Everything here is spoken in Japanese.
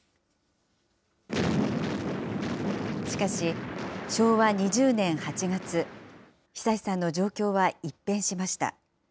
しかし、昭和２０年８月、恒さんの状況は一変しました。